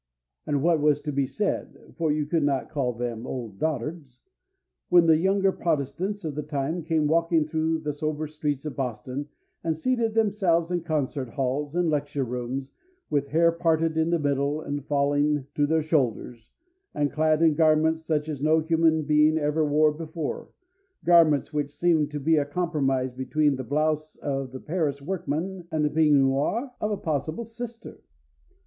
And what was to be said for you could not call them old dotards when the younger protestants of the time came walking through the sober streets of Boston and seated themselves in concert halls and lecture rooms with hair parted in the middle and falling to their shoulders, and clad in garments such as no human being ever wore before garments which seemed to be a compromise between the blouse of the Paris workman and the peignoir of a possible sister?